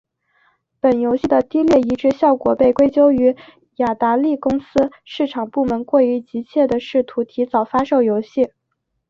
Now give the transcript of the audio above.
本游戏低劣的移植效果被归咎于雅达利公司市场部门过于急切地试图提早发售游戏。